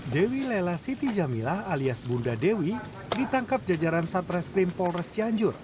dewi lela siti jamilah alias bunda dewi ditangkap jajaran satreskrim polres cianjur